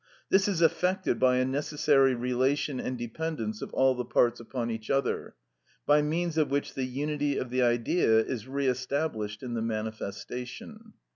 This is effected by a necessary relation and dependence of all the parts upon each other, by means of which the unity of the Idea is re established in the manifestation.